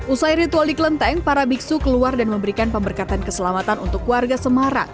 usai ritual di kelenteng para biksu keluar dan memberikan pemberkatan keselamatan untuk warga semarang